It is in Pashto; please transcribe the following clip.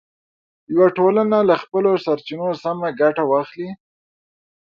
یوه ټولنه له خپلو سرچینو سمه ګټه واخلي.